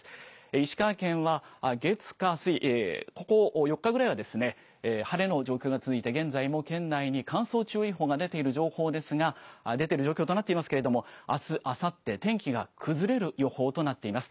石川県は、月、火、水、ここ４日ぐらいは晴れの状況が続いて、現在も県内に乾燥注意報が出ている状況となっていますけれども、あす、あさって、天気が崩れる予報となっています。